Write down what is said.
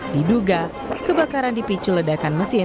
diduga kebakaran dipicu ledakan mesin